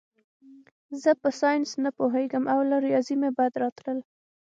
زه په ساینس نه پوهېږم او له ریاضي مې بد راتلل